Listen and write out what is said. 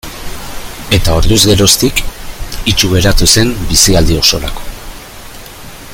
Eta orduz geroztik itsu geratu zen bizialdi osorako.